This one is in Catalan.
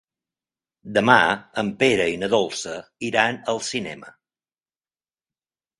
Demà en Pere i na Dolça iran al cinema.